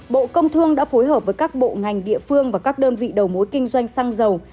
bộ công thương đã phối hợp với các bộ ngành địa phương và các đơn vị đầu mối kinh doanh xăng dầu